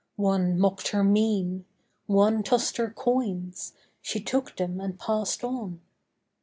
One mocked her mien— One tossed her coins; she took them and passed on.